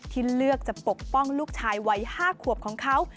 ที่เลือกจะปกป้องลูกชายวัย๕ขวบของเขา